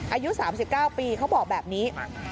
อายุ๓๙ปีเขาบอกแบบนี้